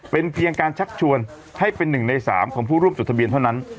เป็นเพียงการชักชวนให้เป็น๑ใน๓ของผู้ร่วมจดทะเบียนเท่านั้น